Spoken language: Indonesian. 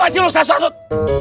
apa sih lu sasut sasut